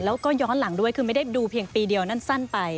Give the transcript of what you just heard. แล้วก็ย้อนหลังด้วยคือไม่ได้ดูเพียงปีเดียวนั่นสั้นไป